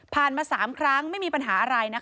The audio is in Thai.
ผ่านมา๓ครั้งไม่มีปัญหาอะไร